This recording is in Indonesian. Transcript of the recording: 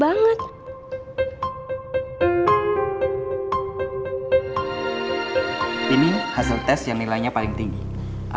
bikini apa sih panggilaneral tua